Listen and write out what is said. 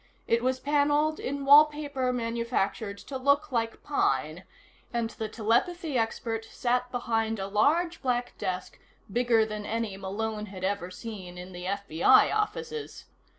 It was paneled in wallpaper manufactured to look like pine, and the telepathy expert sat behind a large black desk bigger than any Malone had ever seen in the FBI offices.